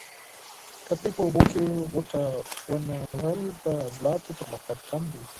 که تاسو په اوبو کې غوټه ونه وهل، د عضلاتو پرمختګ کم دی.